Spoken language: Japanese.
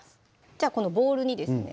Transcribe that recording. じゃあこのボウルにですね